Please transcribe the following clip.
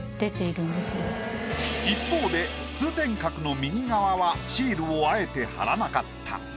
一方で通天閣の右側はシールをあえて貼らなかった。